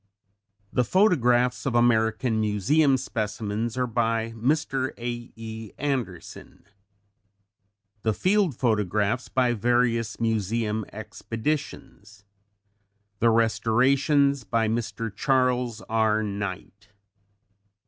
The photographs of American Museum specimens are by Mr. A.E. Anderson; the field photographs by various Museum expeditions; the restorations by Mr. Charles R. Knight.